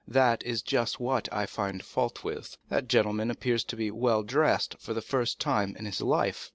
"That is just what I find fault with. That gentleman appears to be well dressed for the first time in his life."